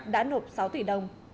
đã nộp sáu tỷ đồng